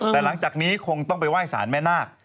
แต่หลังจากนี้คงต้องไปไหว้สารแม่นาค